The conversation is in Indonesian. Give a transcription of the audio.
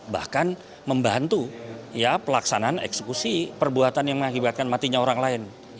bahkan membantu pelaksanaan eksekusi perbuatan yang mengakibatkan matinya orang lain